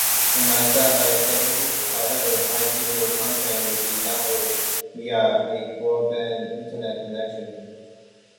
Unlike satellite services, however, iRadio content will be downloaded via a broadband internet connection.